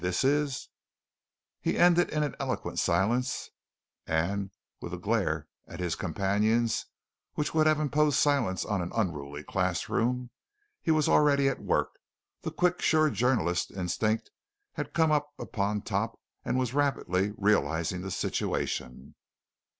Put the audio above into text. this is " He ended in an eloquent silence and with a glare at his companions which would have imposed silence on an unruly class room. He was already at work the quick, sure journalistic instinct had come up on top and was rapidly realizing the situation.